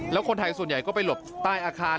แล้วคนไทยส่วนใหญ่ก็ไปหลบใต้อาคาร